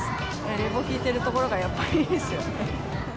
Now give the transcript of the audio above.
冷房効いている所がやっぱりいいですよね。